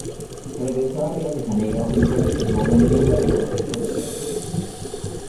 Regresó a Río de Janeiro y fue designado miembro del consejo de guerra.